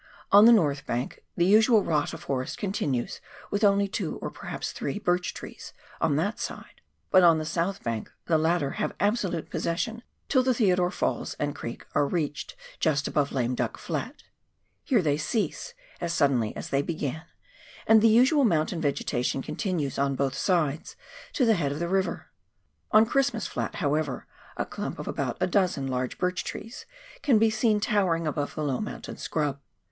On the north bank the usual rata forest continues, with only two, or perhaps three, birch trees on that side ; but on the south bank, the latter have absolute possession till the Theodore Falls and Creek are reached just above Lame Duck Flat; here they cease as suddenly as they began, and the usual mountain vegetation continues on both sides to the head of the river. On Christ mas Flat, however, a clump of about a dozen large birch trees can be seen towering above the low mountain scrub.